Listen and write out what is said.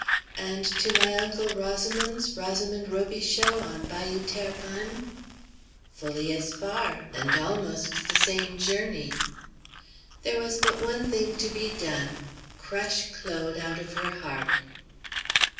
"And to my uncle Rosamond's, Rosamond Robichaux, on Bayou Terrebonne?" "Fully as far, and almost the same journey." There was but one thing to be done, crush Claude out of her heart.